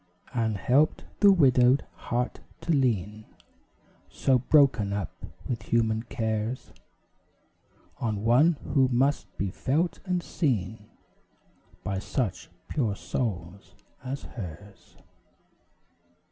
And helped the widowed heart to lean, So broken up with human cares, On one who must be felt and seen By such pure souls as hers.